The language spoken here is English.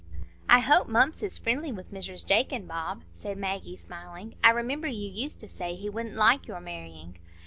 "I hope Mumps is friendly with Mrs Jakin, Bob," said Maggie, smiling. "I remember you used to say he wouldn't like your marrying."